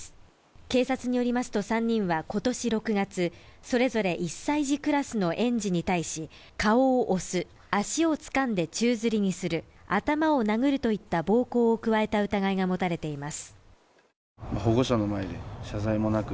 警察によりますと３人は今年６月、それぞれ１歳児クラスの園児に対し顔を押す、足をつかんで宙づりにする頭を殴るといった暴行を加えた疑いが持たれています。